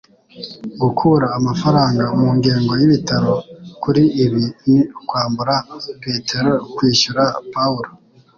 Gukura amafaranga mu ngengo y'ibitaro kuri ibi ni ukwambura Petero kwishyura Pawulo